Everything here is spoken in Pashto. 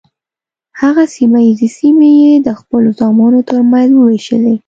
هغه سیمه ییزې سیمې یې د خپلو زامنو تر منځ وویشلې.